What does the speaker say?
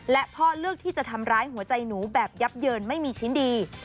และพ่อเลือกที่จะทำร้ายหัวใจหนูแบบยับเยินไม่มีชิ้นดี